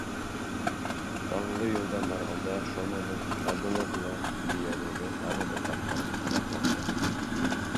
Саңлы юлдан барғанда Шоманың «Радуловлы» өйәнәге тағы бер тапҡыр ҡабатланды.